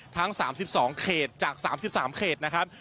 ทั้ง๓๒เขตจาก๓๓เขตนะครับ